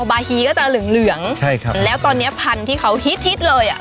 บาร์ฮีก็จะเหลืองเหลืองใช่ครับแล้วตอนเนี้ยพันธุ์ที่เขาฮิตฮิตเลยอ่ะ